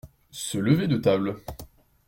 Se lever de table.